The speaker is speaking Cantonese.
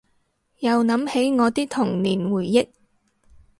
又諗起我啲童年回憶